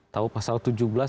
tahu pasal tujuh belas